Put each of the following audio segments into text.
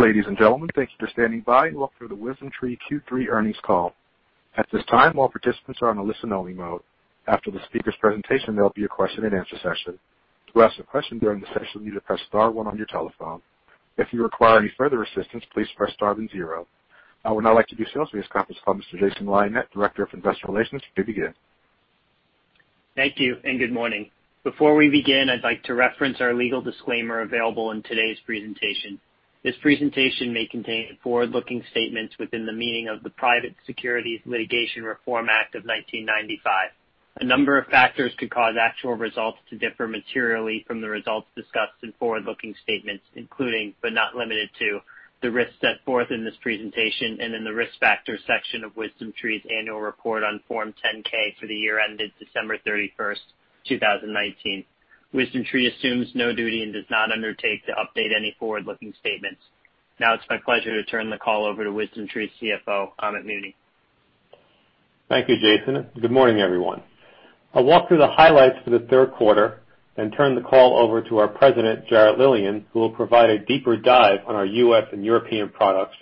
Ladies and gentlemen, thank you for standing by. Welcome to the WisdomTree Q3 earnings call. At this time, all participants are in listen-only mode. After the speakers presentation, there will be a question and answer session. To ask a question during the session, you need to press star one on your telephone. If you require any further assistance, please press star zero. I would now like to start this conference with Mr. Jason Weyeneth, Director of Investor Relations, you may begin. Thank you and good morning. Before we begin, I'd like to reference our legal disclaimer available in today's presentation. This presentation may contain forward-looking statements within the meaning of the Private Securities Litigation Reform Act of 1995. A number of factors could cause actual results to differ materially from the results discussed in forward-looking statements, including but not limited to, the risks set forth in this presentation and in the Risk Factors section of WisdomTree's annual report on Form 10-K for the year ended December 31st, 2019. WisdomTree assumes no duty and does not undertake to update any forward-looking statements. Now it's my pleasure to turn the call over to WisdomTree's CFO, Amit Muni. Thank you, Jason. Good morning, everyone. I'll walk through the highlights for the third quarter and turn the call over to our President, Jarrett Lilien, who will provide a deeper dive on our U.S. and European products,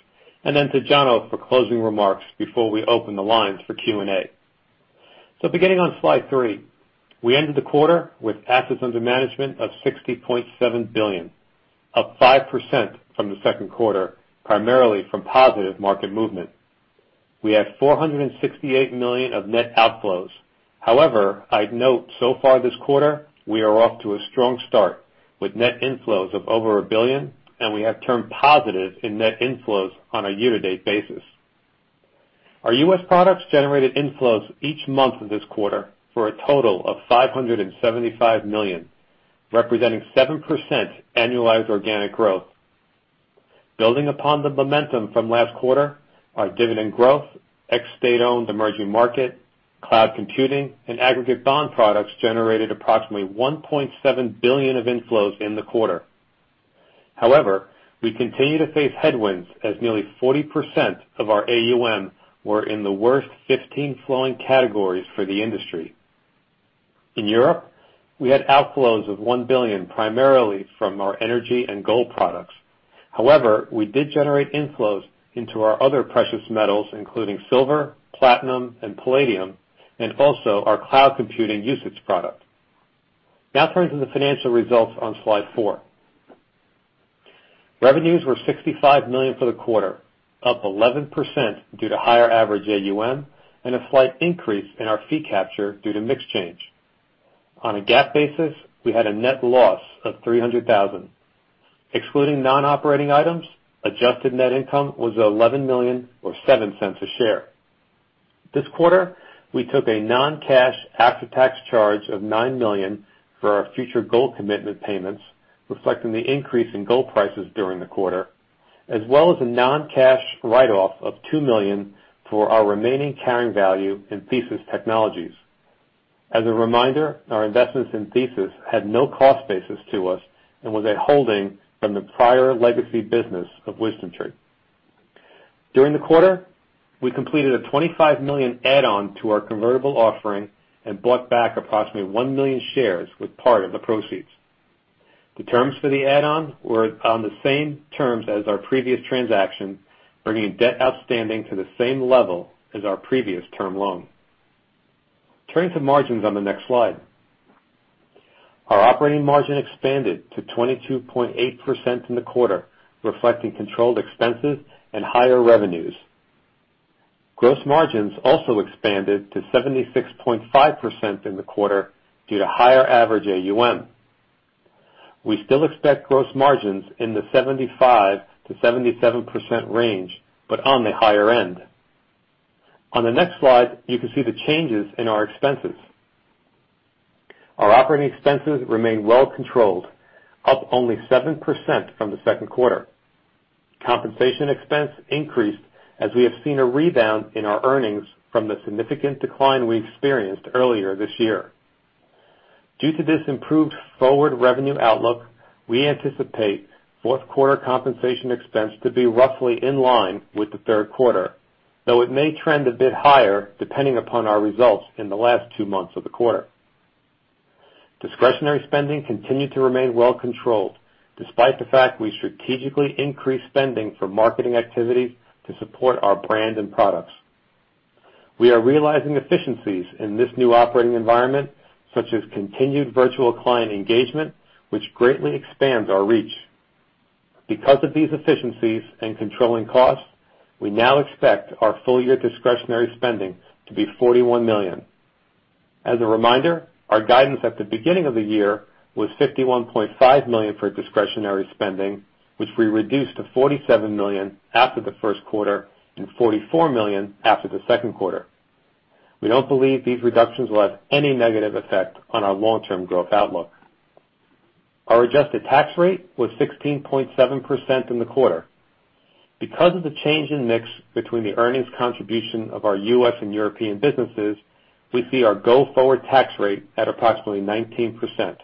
and then to Jono for closing remarks before we open the lines for Q&A. Beginning on slide three, we ended the quarter with assets under management of $60.7 billion, up 5% from the second quarter, primarily from positive market movement. We had $468 million of net outflows. However, I'd note so far this quarter, we are off to a strong start with net inflows of over $1 billion, and we have turned positive in net inflows on a year-to-date basis. Our U.S. products generated inflows each month of this quarter for a total of $575 million, representing 7% annualized organic growth. Building upon the momentum from last quarter, our dividend growth, ex-State-Owned emerging market, cloud computing, and aggregate bond products generated approximately $1.7 billion of inflows in the quarter. We continue to face headwinds as nearly 40% of our AUM were in the worst 15 flowing categories for the industry. In Europe, we had outflows of $1 billion, primarily from our energy and gold products. We did generate inflows into our other precious metals, including silver, platinum, and palladium, and also our cloud computing UCITS product. Turning to the financial results on slide four. Revenues were $65 million for the quarter, up 11% due to higher average AUM and a slight increase in our fee capture due to mix change. On a GAAP basis, we had a net loss of $300,000. Excluding non-operating items, adjusted net income was $11 million or $0.07 a share. This quarter, we took a non-cash after-tax charge of $9 million for our future gold commitment payments, reflecting the increase in gold prices during the quarter, as well as a non-cash write-off of $2 million for our remaining carrying value in Thesys Technologies. As a reminder, our investments in Thesys had no cost basis to us and was a holding from the prior legacy business of WisdomTree. During the quarter, we completed a $25 million add-on to our convertible offering and bought back approximately 1 million shares with part of the proceeds. The terms for the add-on were on the same terms as our previous transaction, bringing debt outstanding to the same level as our previous term loan. Turning to margins on the next slide. Our operating margin expanded to 22.8% in the quarter, reflecting controlled expenses and higher revenues. Gross margins also expanded to 76.5% in the quarter due to higher average AUM. We still expect gross margins in the 75%-77% range, but on the higher end. On the next slide, you can see the changes in our expenses. Our operating expenses remain well controlled, up only 7% from the second quarter. Compensation expense increased as we have seen a rebound in our earnings from the significant decline we experienced earlier this year. Due to this improved forward revenue outlook, we anticipate fourth quarter compensation expense to be roughly in line with the third quarter, though it may trend a bit higher depending upon our results in the last two months of the quarter. Discretionary spending continued to remain well controlled, despite the fact we strategically increased spending for marketing activities to support our brand and products. We are realizing efficiencies in this new operating environment, such as continued virtual client engagement, which greatly expands our reach. Because of these efficiencies and controlling costs, we now expect our full-year discretionary spending to be $41 million. As a reminder, our guidance at the beginning of the year was $51.5 million for discretionary spending, which we reduced to $47 million after the first quarter and $44 million after the second quarter. We don't believe these reductions will have any negative effect on our long-term growth outlook. Our adjusted tax rate was 16.7% in the quarter. Because of the change in mix between the earnings contribution of our U.S. and European businesses, we see our go-forward tax rate at approximately 19%,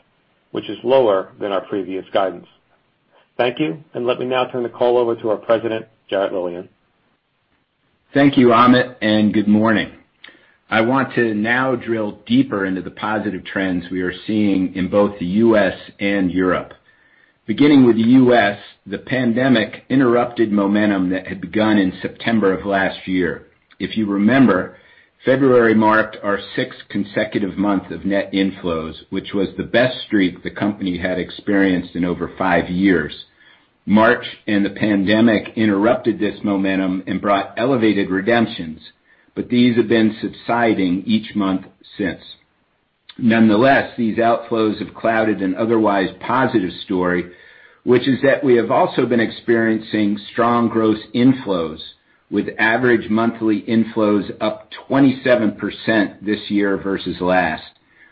which is lower than our previous guidance. Thank you, and let me now turn the call over to our President, Jarrett Lilien. Thank you, Amit, and good morning. I want to now drill deeper into the positive trends we are seeing in both the U.S. and Europe. Beginning with the U.S., the pandemic interrupted momentum that had begun in September of last year. If you remember, February marked our six consecutive month of net inflows, which was the best streak the company had experienced in over five years. March and the pandemic interrupted this momentum and brought elevated redemptions, but these have been subsiding each month since. Nonetheless, these outflows have clouded an otherwise positive story, which is that we have also been experiencing strong gross inflows with average monthly inflows up 27% this year versus last.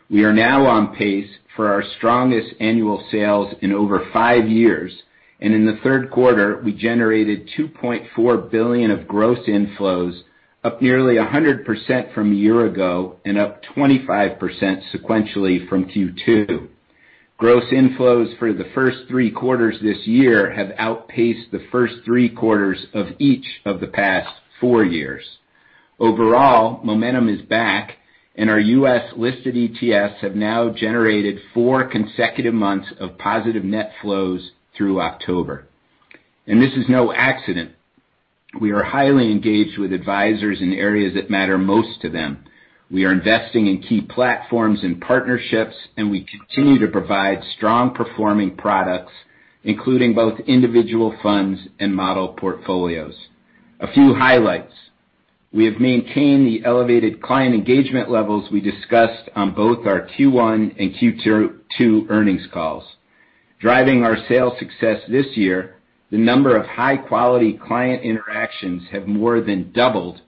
We are now on pace for our strongest annual sales in over five years. In the third quarter, we generated $2.4 billion of gross inflows, up nearly 100% from a year ago and up 25% sequentially from Q2. Gross inflows for the first three quarters this year have outpaced the first three quarters of each of the past four years. Overall, momentum is back. Our U.S.-listed ETFs have now generated four consecutive months of positive net flows through October. This is no accident. We are highly engaged with advisors in areas that matter most to them. We are investing in key platforms and partnerships. We continue to provide strong-performing products, including both individual funds and model portfolios. A few highlights. We have maintained the elevated client engagement levels we discussed on both our Q1 and Q2 earnings calls. Driving our sales success this year, the number of high-quality client interactions have more than doubled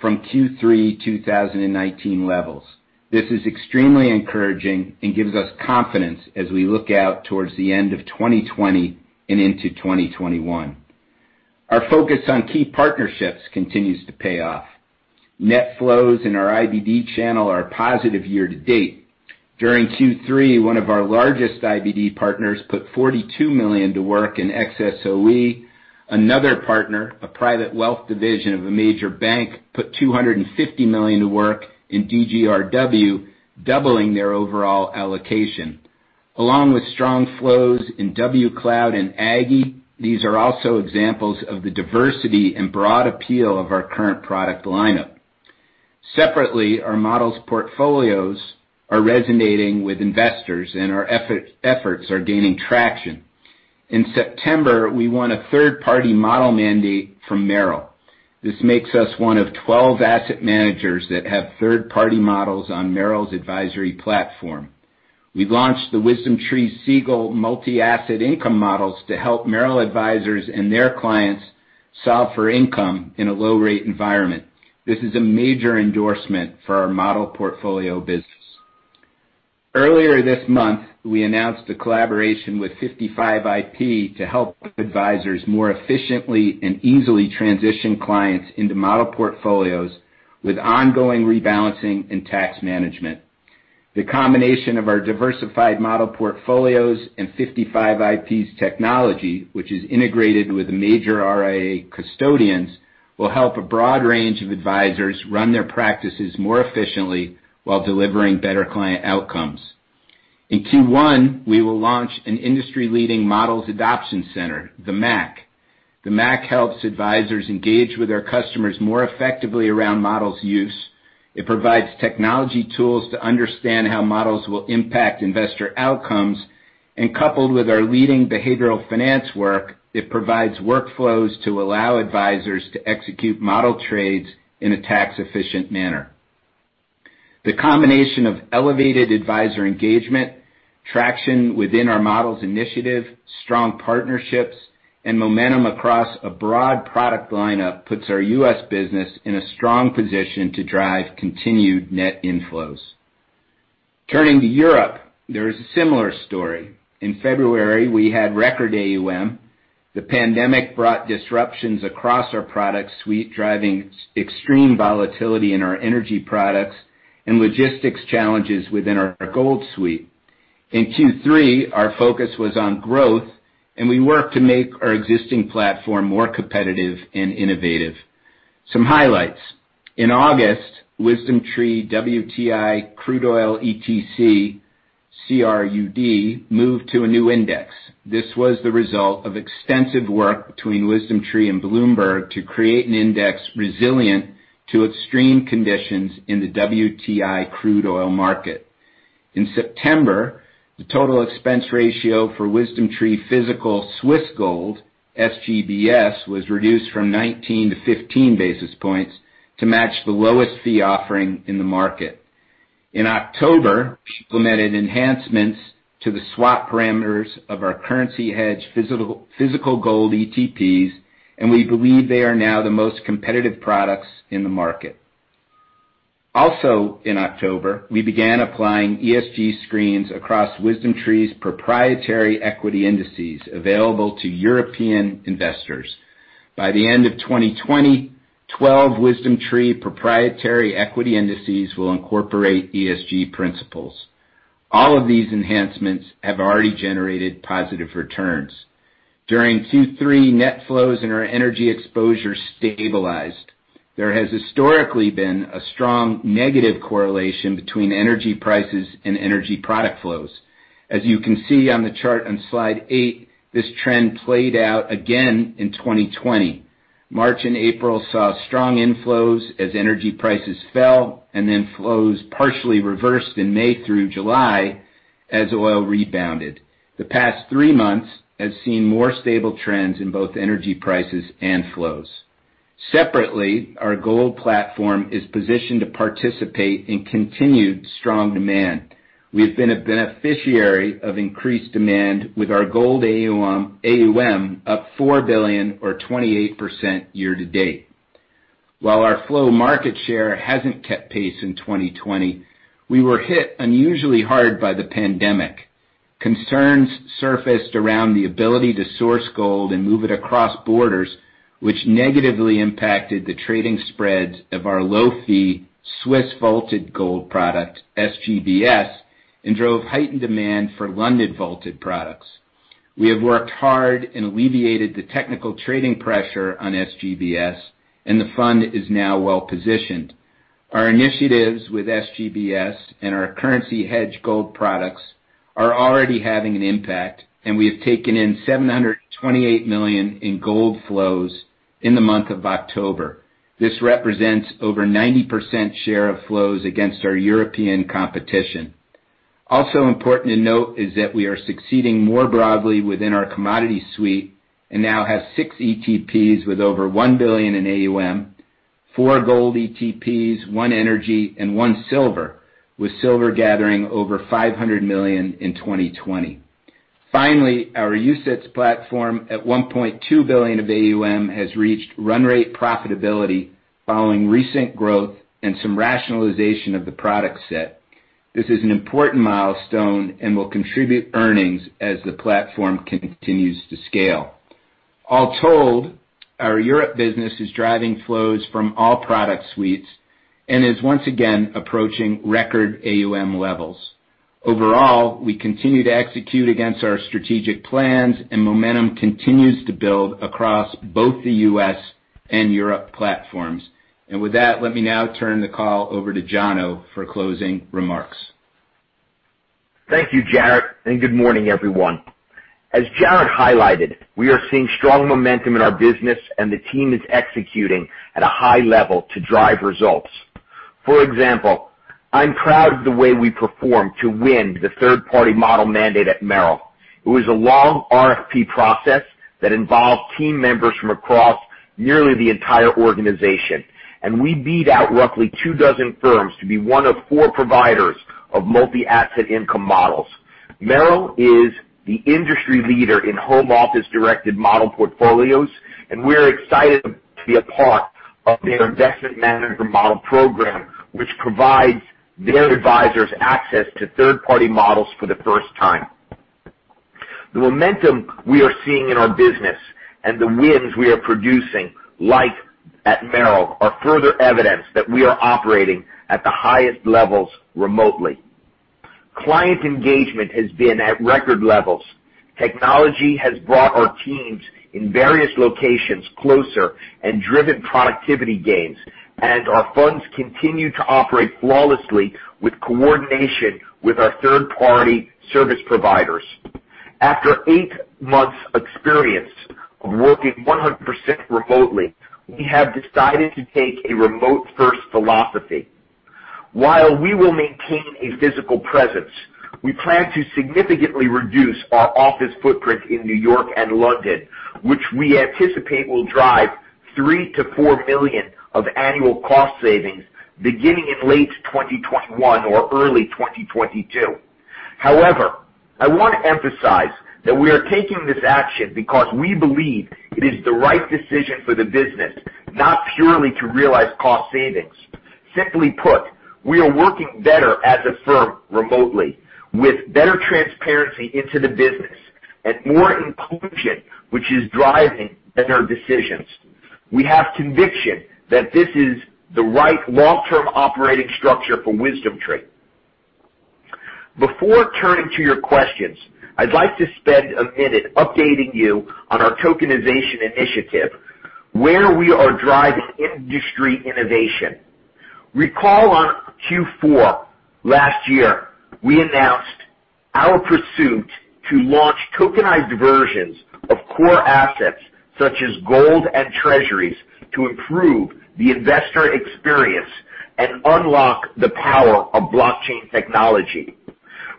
from Q3 2019 levels. This is extremely encouraging and gives us confidence as we look out towards the end of 2020 and into 2021. Our focus on key partnerships continues to pay off. Net flows in our IBD channel are positive year-to-date. During Q3, one of our largest IBD partners put $42 million to work in XSOE. Another partner, a private wealth division of a major bank, put $250 million to work in DGRW, doubling their overall allocation. Along with strong flows in WCLD and AGGY, these are also examples of the diversity and broad appeal of our current product lineup. Separately, our models portfolios are resonating with investors, and our efforts are gaining traction. In September, we won a third-party model mandate from Merrill. This makes us one of 12 asset managers that have third-party models on Merrill's advisory platform. We've launched the WisdomTree Siegel multi-asset income models to help Merrill advisors and their clients solve for income in a low-rate environment. This is a major endorsement for our model portfolio business. Earlier this month, we announced a collaboration with 55ip to help advisors more efficiently and easily transition clients into model portfolios with ongoing rebalancing and tax management. The combination of our diversified model portfolios and 55ip's technology, which is integrated with major RIA custodians, will help a broad range of advisors run their practices more efficiently while delivering better client outcomes. In Q1, we will launch an industry-leading Models Adoption Center, the MAC. The MAC helps advisors engage with their customers more effectively around models use. It provides technology tools to understand how models will impact investor outcomes, and coupled with our leading behavioral finance work, it provides workflows to allow advisors to execute model trades in a tax-efficient manner. The combination of elevated advisor engagement, traction within our models initiative, strong partnerships, and momentum across a broad product lineup puts our U.S. business in a strong position to drive continued net inflows. Turning to Europe, there is a similar story. In February, we had record AUM. The pandemic brought disruptions across our product suite, driving extreme volatility in our energy products and logistics challenges within our gold suite. In Q3, our focus was on growth, and we worked to make our existing platform more competitive and innovative. Some highlights. In August, WisdomTree WTI Crude Oil ETC, CRUD, moved to a new index. This was the result of extensive work between WisdomTree and Bloomberg to create an index resilient to extreme conditions in the WTI crude oil market. In September, the total expense ratio for WisdomTree Physical Swiss Gold, SGBS, was reduced from 19 to 15 basis points to match the lowest fee offering in the market. In October, we implemented enhancements to the swap parameters of our currency hedge physical gold ETPs. We believe they are now the most competitive products in the market. Also in October, we began applying ESG screens across WisdomTree's proprietary equity indices available to European investors. By the end of 2020, 12 WisdomTree proprietary equity indices will incorporate ESG principles. All of these enhancements have already generated positive returns. During Q3, net flows and our energy exposure stabilized. There has historically been a strong negative correlation between energy prices and energy product flows. As you can see on the chart on slide eight, this trend played out again in 2020. March and April saw strong inflows as energy prices fell, then flows partially reversed in May through July as oil rebounded. The past three months have seen more stable trends in both energy prices and flows. Separately, our gold platform is positioned to participate in continued strong demand. We have been a beneficiary of increased demand with our gold AUM up $4 billion, or 28%, year-to-date. While our flow market share hasn't kept pace in 2020, we were hit unusually hard by the pandemic. Concerns surfaced around the ability to source gold and move it across borders, which negatively impacted the trading spreads of our low-fee Swiss vaulted gold product, SGBS, and drove heightened demand for London vaulted products. We have worked hard and alleviated the technical trading pressure on SGBS, and the fund is now well-positioned. Our initiatives with SGBS and our currency hedge gold products are already having an impact, and we have taken in $728 million in gold flows in the month of October. This represents over 90% share of flows against our European competition. Also important to note is that we are succeeding more broadly within our commodity suite and now have six ETPs with over $1 billion in AUM, four gold ETPs, one energy, and one silver, with silver gathering over $500 million in 2020. Finally, our UCITS platform, at $1.2 billion of AUM, has reached run rate profitability following recent growth and some rationalization of the product set. This is an important milestone and will contribute earnings as the platform continues to scale. All told, our Europe business is driving flows from all product suites and is once again approaching record AUM levels. Overall, we continue to execute against our strategic plans, momentum continues to build across both the U.S. and Europe platforms. With that, let me now turn the call over to Jono for closing remarks. Thank you, Jarrett, and good morning, everyone. As Jarrett highlighted, we are seeing strong momentum in our business, and the team is executing at a high level to drive results. For example, I'm proud of the way we performed to win the third-party model mandate at Merrill. It was a long RFP process that involved team members from across nearly the entire organization, and we beat out roughly 2 dozen firms to be one of four providers of multi-asset income models. Merrill is the industry leader in home office-directed model portfolios, and we're excited to be a part of their investment manager model program, which provides their advisors access to third-party models for the first time. The momentum we are seeing in our business and the wins we are producing, like at Merrill, are further evidence that we are operating at the highest levels remotely. Client engagement has been at record levels. Technology has brought our teams in various locations closer and driven productivity gains, and our funds continue to operate flawlessly with coordination with our third-party service providers. After eight months' experience of working 100% remotely, we have decided to take a remote-first philosophy. While we will maintain a physical presence, we plan to significantly reduce our office footprint in New York and London, which we anticipate will drive $3 million-$4 million of annual cost savings beginning in late 2021 or early 2022. I want to emphasize that we are taking this action because we believe it is the right decision for the business, not purely to realize cost savings. Simply put, we are working better as a firm remotely, with better transparency into the business and more inclusion, which is driving better decisions. We have conviction that this is the right long-term operating structure for WisdomTree. Before turning to your questions, I'd like to spend a minute updating you on our tokenization initiative, where we are driving industry innovation. Recall on Q4 last year, we announced our pursuit to launch tokenized versions of core assets such as gold and treasuries to improve the investor experience and unlock the power of blockchain technology.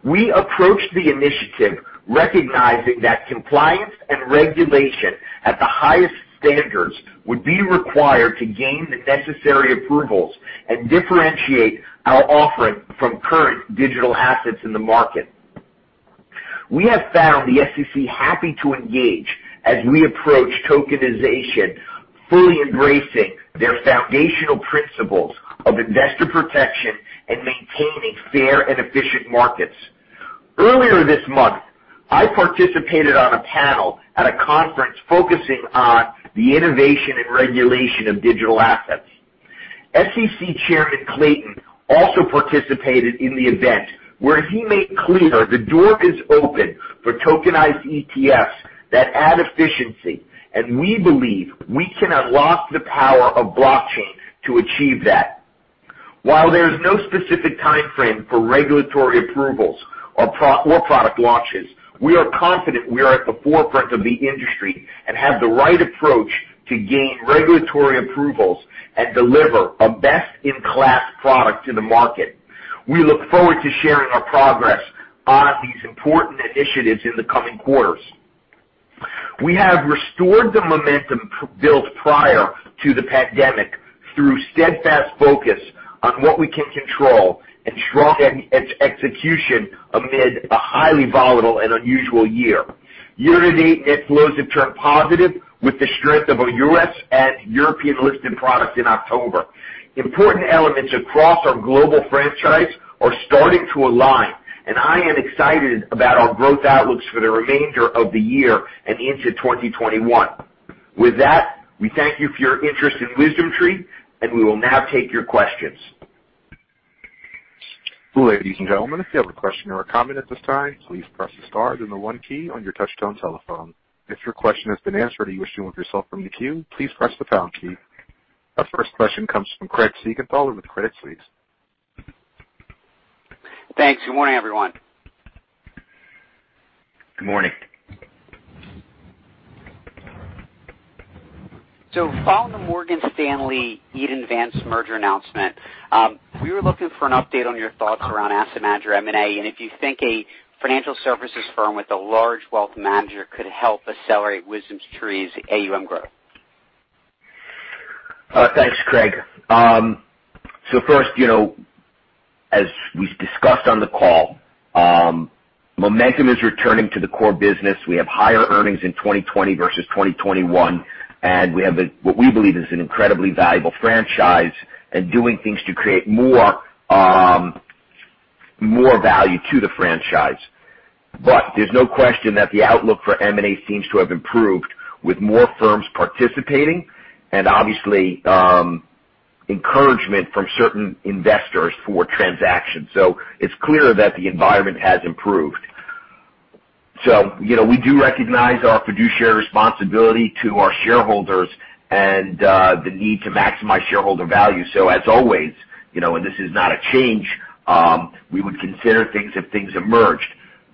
We approached the initiative recognizing that compliance and regulation at the highest standards would be required to gain the necessary approvals and differentiate our offering from current digital assets in the market. We have found the SEC happy to engage as we approach tokenization, fully embracing their foundational principles of investor protection and maintaining fair and efficient markets. Earlier this month, I participated on a panel at a conference focusing on the innovation and regulation of digital assets. SEC Chairman Clayton also participated in the event where he made clear the door is open for tokenized ETFs that add efficiency, and we believe we can unlock the power of blockchain to achieve that. While there's no specific timeframe for regulatory approvals or product launches, we are confident we are at the forefront of the industry and have the right approach to gain regulatory approvals and deliver a best-in-class product to the market. We look forward to sharing our progress on these important initiatives in the coming quarters. We have restored the momentum built prior to the pandemic through steadfast focus on what we can control and strong execution amid a highly volatile and unusual year. Year-to-date, net flows have turned positive with the strength of our U.S. and European-listed products in October. Important elements across our global franchise are starting to align, and I am excited about our growth outlooks for the remainder of the year and into 2021. With that, we thank you for your interest in WisdomTree, and we will now take your questions. Ladies and gentlemen, if you have a question or a comment at this time, please press the star then the one key on your touch-tone telephone. If your question has been answered or you wish to remove yourself from the queue, please press the pound key. Our first question comes from Craig Siegenthaler with Credit Suisse. Thanks. Good morning, everyone. Good morning. Following the Morgan Stanley-Eaton Vance merger announcement, we were looking for an update on your thoughts around asset manager M&A and if you think a financial services firm with a large wealth manager could help accelerate WisdomTree's AUM growth. Thanks, Craig. First, as we've discussed on the call, momentum is returning to the core business. We have higher earnings in 2020 versus 2021, and we have what we believe is an incredibly valuable franchise and doing things to create more value to the franchise. There's no question that the outlook for M&A seems to have improved with more firms participating and obviously encouragement from certain investors for transactions. It's clear that the environment has improved. We do recognize our fiduciary responsibility to our shareholders and the need to maximize shareholder value. As always, and this is not a change, we would consider things if things emerged.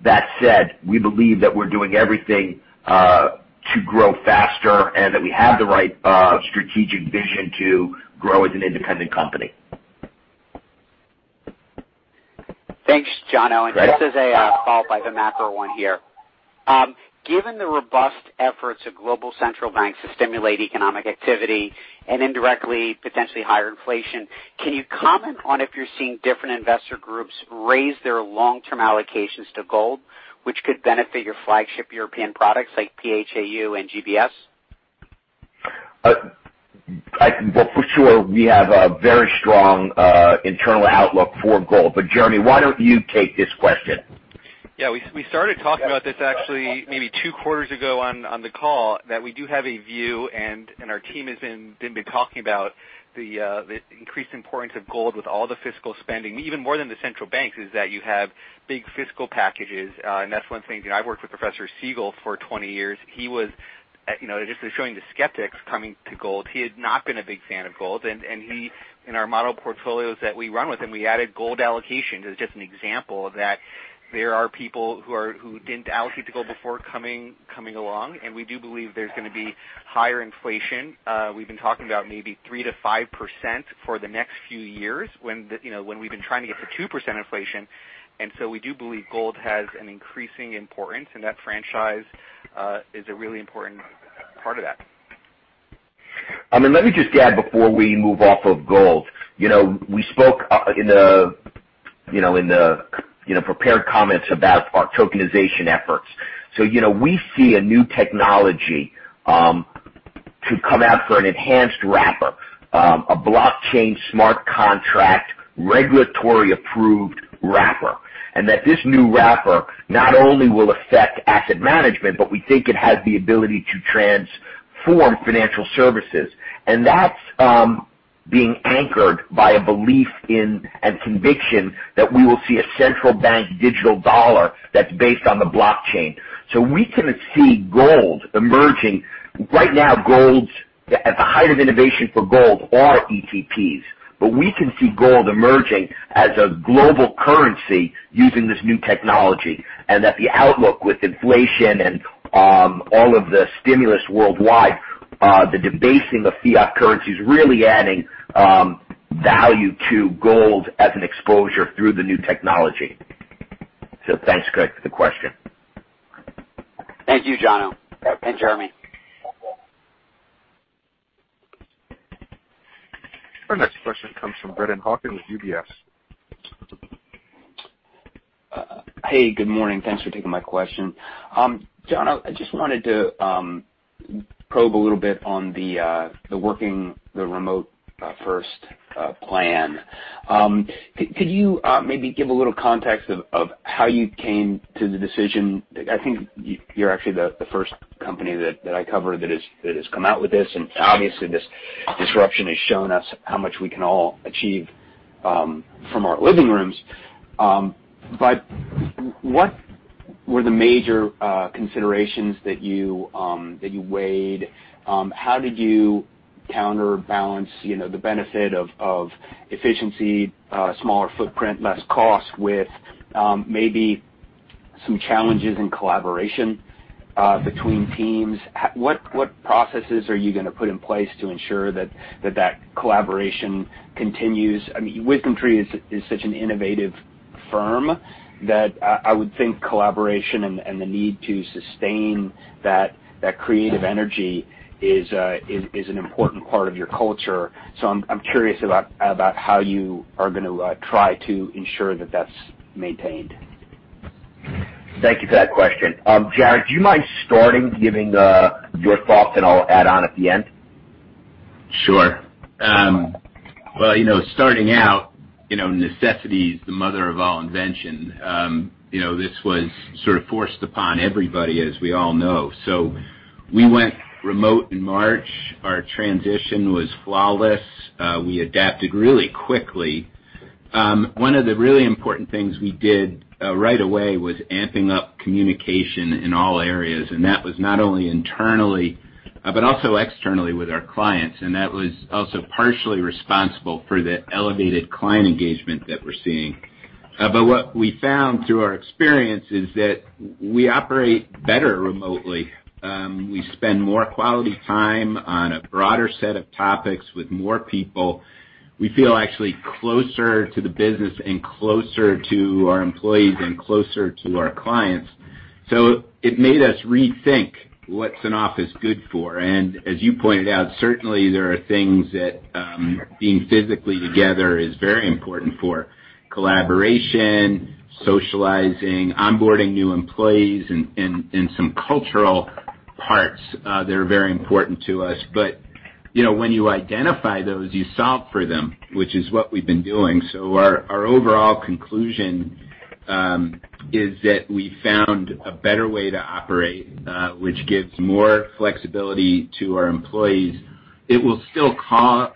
That said, we believe that we're doing everything to grow faster and that we have the right strategic vision to grow as an independent company. Thanks, Jono. Craig. This is a follow-up on the macro one here. Given the robust efforts of global central banks to stimulate economic activity and indirectly potentially higher inflation, can you comment on if you're seeing different investor groups raise their long-term allocations to gold, which could benefit your flagship European products like PHAU and GBS? For sure, we have a very strong internal outlook for gold. Jeremy, why don't you take this question? We started talking about this actually maybe two quarters ago on the call, that we do have a view, and our team has been talking about the increased importance of gold with all the fiscal spending, even more than the central banks, is that you have big fiscal packages. That's one thing. I've worked with Professor Siegel for 20 years. Just to showing the skeptics coming to gold, he had not been a big fan of gold, and in our model portfolios that we run with him, we added gold allocation as just an example that there are people who didn't allocate to gold before coming along, and we do believe there's going to be higher inflation. We've been talking about maybe 3%-5% for the next few years when we've been trying to get to 2% inflation. We do believe gold has an increasing importance, and that franchise is a really important part of that. Let me just add before we move off of gold. We spoke in the prepared comments about our tokenization efforts. We see a new technology to come out for an enhanced wrapper, a blockchain smart contract, regulatory-approved wrapper, and that this new wrapper not only will affect asset management, but we think it has the ability to transform financial services. That's being anchored by a belief in and conviction that we will see a central bank digital dollar that's based on the blockchain. We can see gold emerging. Right now, at the height of innovation for gold are ETPs. We can see gold emerging as a global currency using this new technology, and that the outlook with inflation and all of the stimulus worldwide, the debasing of fiat currency is really adding value to gold as an exposure through the new technology. Thanks, Craig, for the question. Thank you, Jono and Jeremy. Our next question comes from Brennan Hawken with UBS. Hey, good morning. Thanks for taking my question. Jono, I just wanted to probe a little bit on the working the remote-first plan. Could you maybe give a little context of how you came to the decision? I think you're actually the first company that I cover that has come out with this. Obviously this disruption has shown us how much we can all achieve from our living rooms. What were the major considerations that you weighed? How did you counterbalance the benefit of efficiency, smaller footprint, less cost with maybe some challenges in collaboration between teams? What processes are you going to put in place to ensure that that collaboration continues? WisdomTree is such an innovative firm that I would think collaboration and the need to sustain that creative energy is an important part of your culture. I'm curious about how you are going to try to ensure that that's maintained. Thank you for that question. Jarrett, do you mind starting giving your thoughts, and I'll add on at the end? Sure. Well, starting out, necessity is the mother of all invention. This was sort of forced upon everybody, as we all know. We went remote in March. Our transition was flawless. We adapted really quickly. One of the really important things we did right away was amping up communication in all areas, and that was not only internally but also externally with our clients, and that was also partially responsible for the elevated client engagement that we're seeing. What we found through our experience is that we operate better remotely. We spend more quality time on a broader set of topics with more people. We feel actually closer to the business and closer to our employees and closer to our clients. It made us rethink what's an office good for. As you pointed out, certainly there are things that being physically together is very important for. Collaboration, socializing, onboarding new employees, and some cultural parts that are very important to us. When you identify those, you solve for them, which is what we've been doing. Our overall conclusion is that we found a better way to operate, which gives more flexibility to our employees. It will still call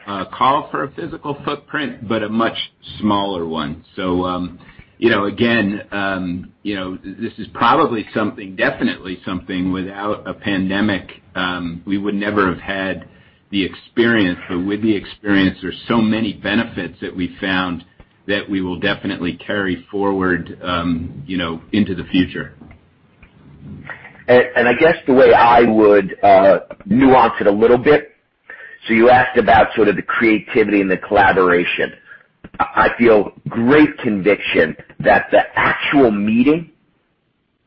for a physical footprint, but a much smaller one. Again, this is probably something, definitely something, without a pandemic, we would never have had the experience. With the experience, there's so many benefits that we found that we will definitely carry forward into the future. I guess the way I would nuance it a little bit, you asked about sort of the creativity and the collaboration. I feel great conviction that the actual meeting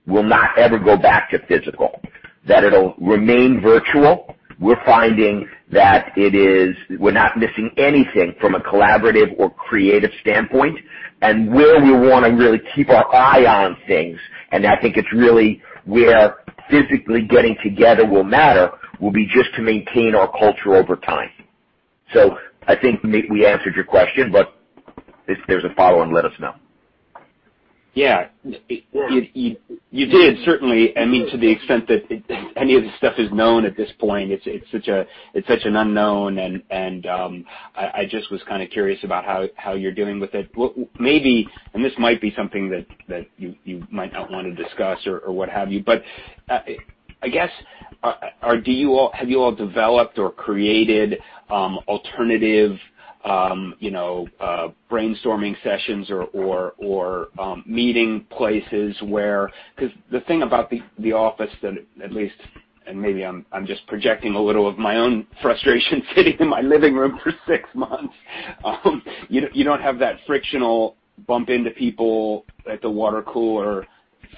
will not ever go back to physical, that it'll remain virtual. We're finding that we're not missing anything from a collaborative or creative standpoint. Where we want to really keep our eye on things, and I think it's really where physically getting together will matter, will be just to maintain our culture over time. I think maybe we answered your question, but if there's a follow-on, let us know. Yeah. You did, certainly, I mean, to the extent that any of this stuff is known at this point. It's such an unknown, and I just was kind of curious about how you're doing with it. Maybe, and this might be something that you might not want to discuss or what have you, but I guess, have you all developed or created alternative brainstorming sessions or meeting places where? Because the thing about the office that at least, and maybe I'm just projecting a little of my own frustration sitting in my living room for 6 months, you don't have that frictional bump into people at the water cooler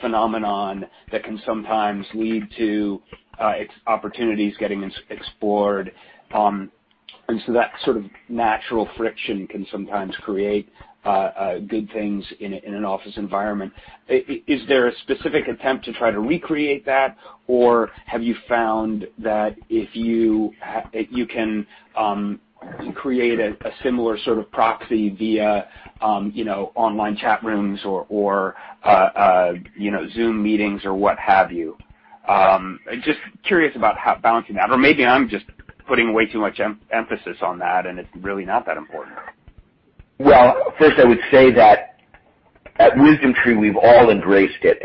phenomenon that can sometimes lead to opportunities getting explored. That sort of natural friction can sometimes create good things in an office environment. Is there a specific attempt to try to recreate that? Have you found that you can create a similar sort of proxy via online chat rooms or Zoom meetings or what have you? Just curious about balancing that. Maybe I'm just putting way too much emphasis on that, and it's really not that important. Well, first, I would say that at WisdomTree, we've all embraced it,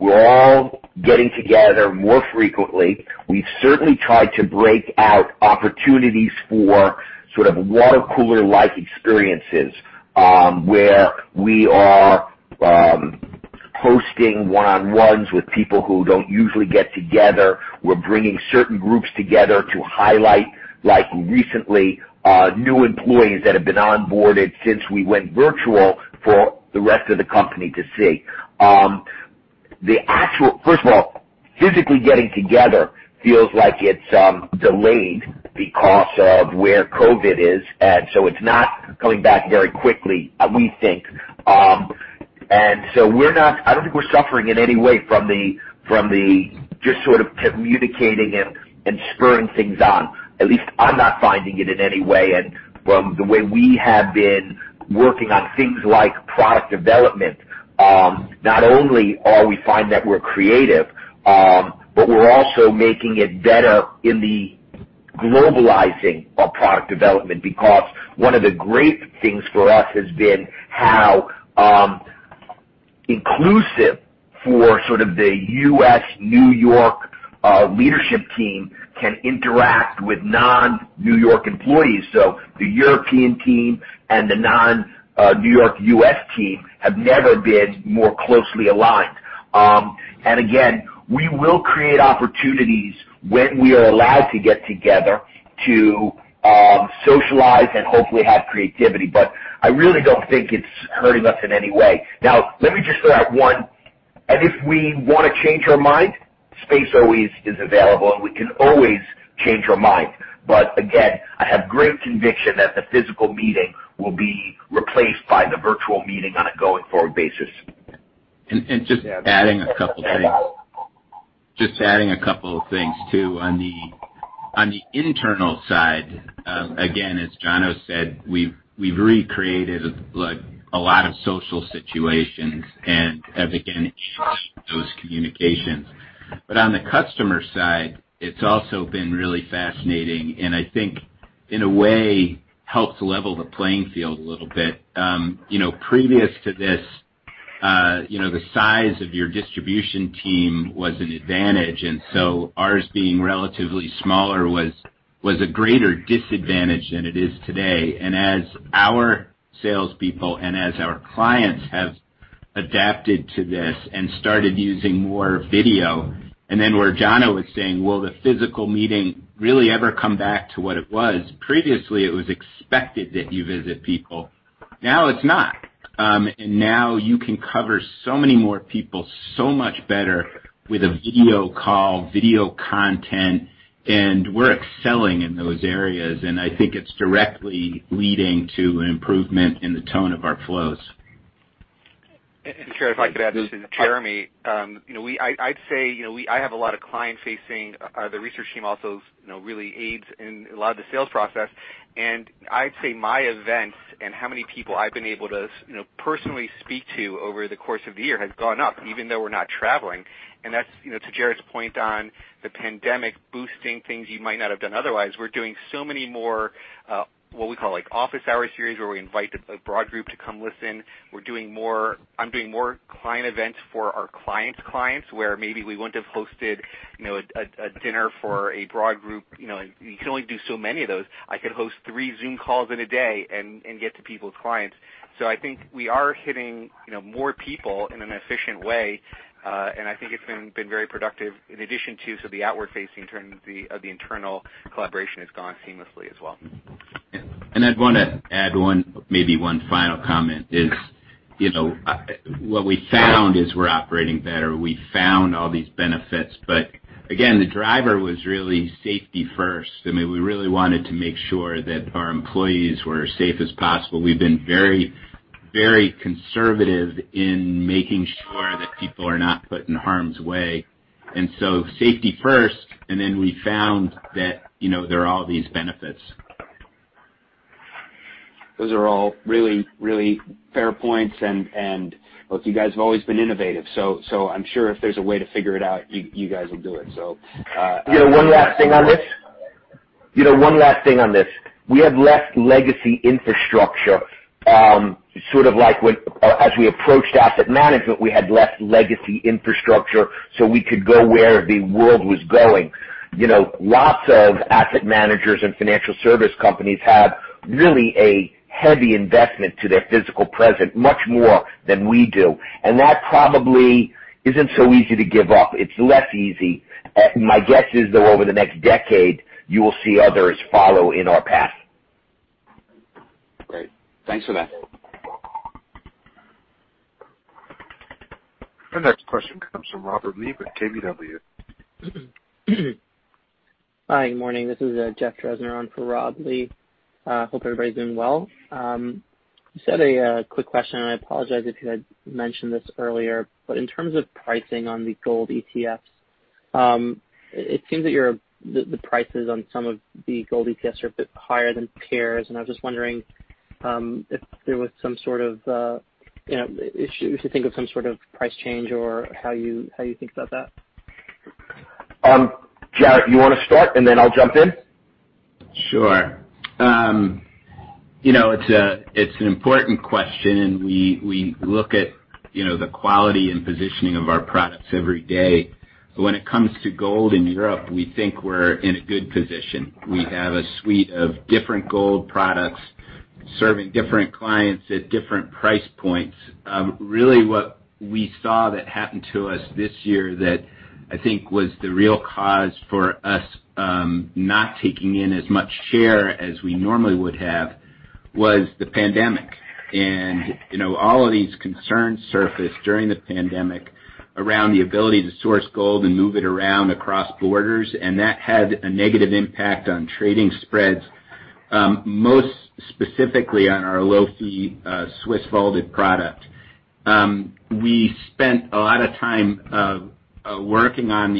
we're all getting together more frequently. We've certainly tried to break out opportunities for sort of water cooler-like experiences, where we are hosting one-on-ones with people who don't usually get together. We're bringing certain groups together to highlight, like recently, new employees that have been onboarded since we went virtual for the rest of the company to see. First of all, physically getting together feels like it's delayed because of where COVID is, it's not coming back very quickly, we think. I don't think we're suffering in any way from the just sort of communicating and spurring things on. At least I'm not finding it in any way. From the way we have been working on things like product development. Not only are we finding that we're creative, but we're also making it better in the globalizing of product development. One of the great things for us has been how inclusive for sort of the U.S., New York leadership team can interact with non-New York employees. The European team and the non-New York, U.S. team have never been more closely aligned. Again, we will create opportunities when we are allowed to get together to socialize and hopefully have creativity. I really don't think it's hurting us in any way. Let me just say that one, and if we want to change our mind, space always is available, and we can always change our mind. Again, I have great conviction that the physical meeting will be replaced by the virtual meeting on a going-forward basis. Just adding a couple of things, too, on the internal side, again, as Jono said, we've recreated a lot of social situations and have again enhanced those communications. On the customer side, it's also been really fascinating, and I think, in a way, helped level the playing field a little bit. Previous to this, the size of your distribution team was an advantage, and so ours being relatively smaller was a greater disadvantage than it is today. As our salespeople and as our clients have adapted to this and started using more video, and then where Jono was saying, will the physical meeting really ever come back to what it was? Previously, it was expected that you visit people. Now it's not. Now you can cover so many more people so much better with a video call, video content, and we're excelling in those areas. I think it's directly leading to an improvement in the tone of our flows. If I could add, this is Jeremy. I'd say, I have a lot of client-facing. The research team also really aids in a lot of the sales process. I'd say my events and how many people I've been able to personally speak to over the course of the year has gone up, even though we're not traveling. That's, to Jarrett's point on the pandemic boosting things you might not have done otherwise, we're doing so many more, what we call office hour series, where we invite a broad group to come listen. I'm doing more client events for our clients' clients, where maybe we wouldn't have hosted a dinner for a broad group. You can only do so many of those. I could host three Zoom calls in a day and get to people's clients. I think we are hitting more people in an efficient way, and I think it's been very productive in addition to the outward-facing turn of the internal collaboration has gone seamlessly as well. I'd want to add maybe one final comment is, what we found is we're operating better. We found all these benefits. Again, the driver was really safety first. We really wanted to make sure that our employees were as safe as possible. We've been very conservative in making sure that people are not put in harm's way. Safety first, and then we found that there are all these benefits. Those are all really fair points, and look, you guys have always been innovative, so I'm sure if there's a way to figure it out, you guys will do it. One last thing on this. We have less legacy infrastructure, sort of like as we approached asset management, we had less legacy infrastructure, so we could go where the world was going. Lots of asset managers and financial service companies have really a heavy investment to their physical presence, much more than we do. That probably isn't so easy to give up. It's less easy. My guess is, though, over the next decade, you will see others follow in our path. Great. Thanks for that. Our next question comes from Robert Lee with KBW. Hi, good morning. This is Jeff Drezner on for Rob Lee. Hope everybody's doing well. Just had a quick question, and I apologize if you had mentioned this earlier, but in terms of pricing on the gold ETFs, it seems that the prices on some of the gold ETFs are a bit higher than peers, and I was just wondering if there was some sort of issue, if you think of some sort of price change or how you think about that. Jarrett, you want to start and then I'll jump in? Sure. It's an important question, and we look at the quality and positioning of our products every day. When it comes to gold in Europe, we think we're in a good position. We have a suite of different gold products serving different clients at different price points. Really what we saw that happened to us this year that I think was the real cause for us not taking in as much share as we normally would have was the pandemic. All of these concerns surfaced during the pandemic around the ability to source gold and move it around across borders, and that had a negative impact on trading spreads, most specifically on our low-fee Swiss vaulted product. We spent a lot of time working on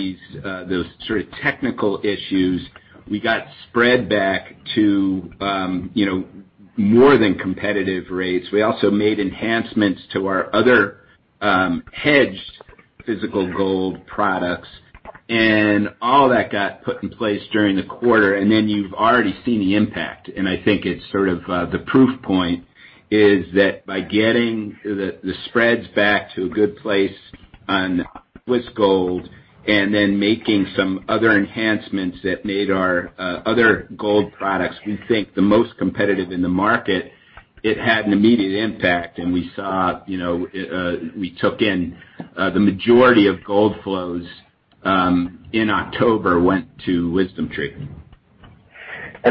those sort of technical issues, we got spread back to more than competitive rates. We also made enhancements to our other hedged physical gold products, and all that got put in place during the quarter. You've already seen the impact, and I think it's sort of the proof point is that by getting the spreads back to a good place on Swiss Gold and then making some other enhancements that made our other gold products, we think, the most competitive in the market, it had an immediate impact. We saw, we took in the majority of gold flows, in October, went to WisdomTree.